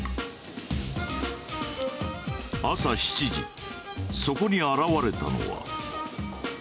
朝７時そこに現れたのは。